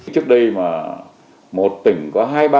trước đây mà một tỉnh có hai ba ca